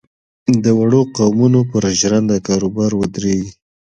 د وړو قومونو پر ژرنده کاروبار ودرېږي.